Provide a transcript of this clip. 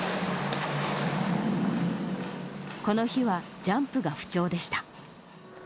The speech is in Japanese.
この日は、ジャンプが不調でした。